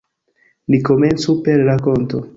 Ni komencu per rakonto.